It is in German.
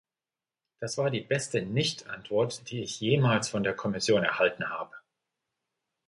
Das war die beste Nichtantwort, die ich jemals von der Kommission erhalten habe.